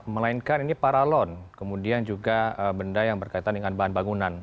melainkan ini paralon kemudian juga benda yang berkaitan dengan bahan bangunan